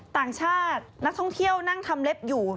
ต่างชาตินักท่องเที่ยวนั่งทำเล็บอยู่